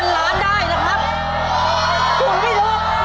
เราสามารถลุนเงินล้านได้นะครับ